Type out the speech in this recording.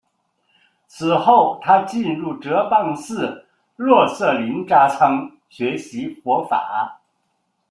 此后他进入哲蚌寺洛色林扎仓学习佛法。